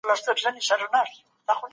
پښتو زموږ خوږه او لرغوني ژبه ده